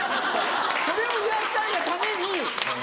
それを言わせたいがために。